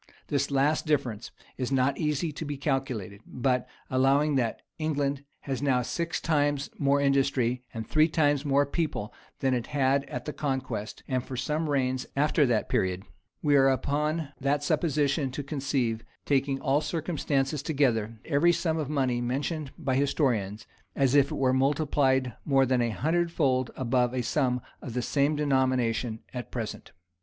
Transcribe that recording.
This last difference is not easy to be calculated; but, allowing that England has now six times more industry, and three times more people than it had at the conquest, and for some reigns after that period, we are upon that supposition to conceive, taking all circumstances together, every sum of money mentioned by historians, as if it were multiplied more than a hundred fold above a sum of the same denomination at present.